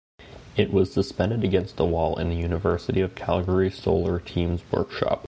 It is suspended against a wall in the University of Calgary Solar Team's workshop.